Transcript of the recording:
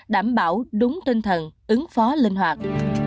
đảm bảo đúng tinh thần ứng phó linh hoạt